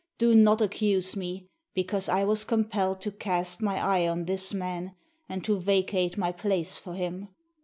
Do not accuse me, because I was compelled to cast my eye on this man and to vacate my place for him.